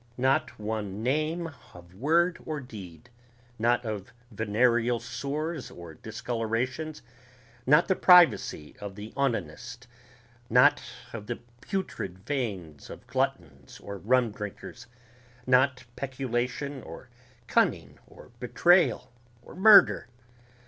Not one name of word or deed ... not of venereal sores or discolorations ... not the privacy of the onanist ... not of the putrid veins of gluttons or rumdrinkers ... not peculation or cunning or betrayal or murder